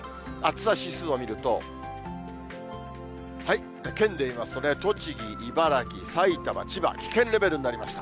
暑さ指数を見ると県でいうと、栃木、茨城、埼玉、千葉、危険レベルになりました。